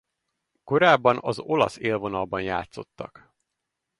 Korábban az olasz élvonalban játszottak.